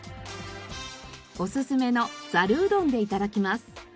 おすすめのざるうどんで頂きます。